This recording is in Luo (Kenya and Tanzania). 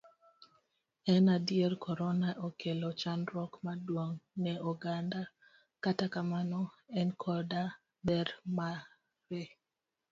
En adier, korona okelo chandruok maduong' ne oganda, kata kamano, en koda ber mare.